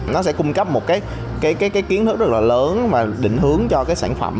nó sẽ cung cấp một cái kiến thức rất là lớn mà định hướng cho cái sản phẩm